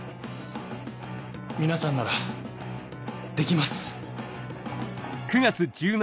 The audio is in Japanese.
皆さんならできます。